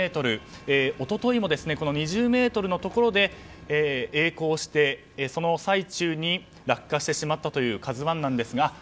一昨日も２０ｍのところで曳航して、その最中に落下してしまったという「ＫＡＺＵ１」なんですが。